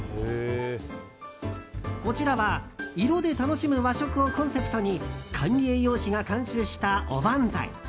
こちらは色で楽しむ和食をコンセプトに管理栄養士が監修したおばんざい。